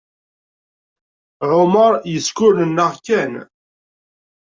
Ɛumaṛ yeskurnennaɣ kan.